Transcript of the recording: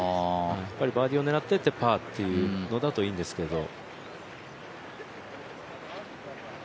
バーディーを狙っていってパーというのだといいんですけど。